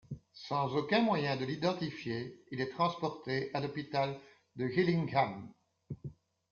Sans aucun moyen de l’identifier, il est transporté à l'hôpital de Gillingham.